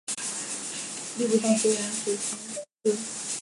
吏部尚书王直曾孙。